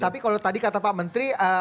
tapi kalau tadi kata pak menteri